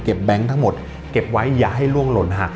แบงค์ทั้งหมดเก็บไว้อย่าให้ล่วงหล่นหัก